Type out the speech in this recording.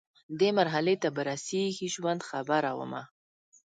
دې مرحلې ته به رسیږي ژوند، خبره ومه